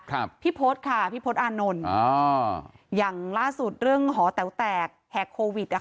ครับพี่โพธค่ะพี่โพธอานนท์อย่างล่าสุดเรื่องหอแตวแตกแหกโควิด